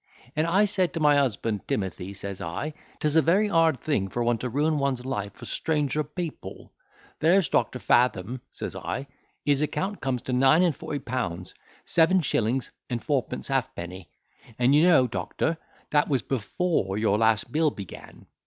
And I said to my husband, Timothy, says I, 'tis a very hard thing for one to ruin one's self for stranger people—There's Doctor Fathom, says I, his account comes to nine and forty pounds seven shillings and fourpence halfpenny; and you know, doctor, that was before your last bill began.